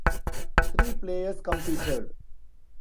Three players competed.